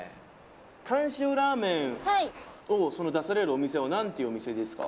鯛塩ラーメンをその出されるお店は何ていうお店ですか？